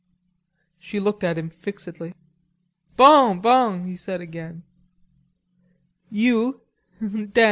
She looked at him fixedly. "Bon, bon," he said again. "You....